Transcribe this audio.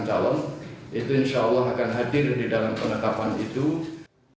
pilih gubernur dan wakil gubernur